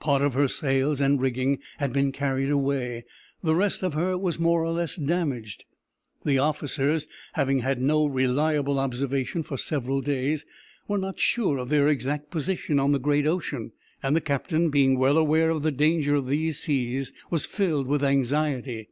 Part of her sails and rigging had been carried away; the rest of her was more or less damaged. The officers, having had no reliable observation for several days, were not sure of their exact position on the great ocean, and the captain, being well aware of the danger of those seas, was filled with anxiety.